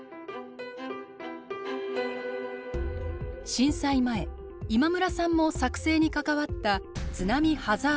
震災前今村さんも作成に関わった津波ハザードマップ。